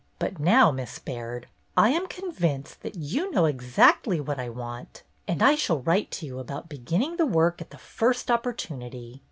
But now, Miss Baird, I am convinced that you know exactly what I want, and I shall write to you about beginning the work at the first opportunity.